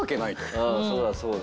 うんそうだそうだ。